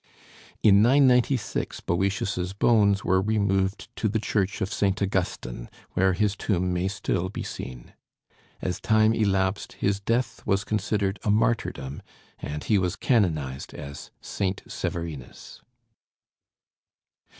In 996 Boëtius's bones were removed to the church of St. Augustine, where his tomb may still be seen. As time elapsed, his death was considered a martyrdom, and he was canonized as St. Severinus.